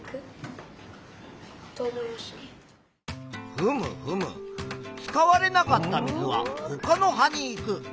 ふむふむ使われなかった水はほかの葉に行く。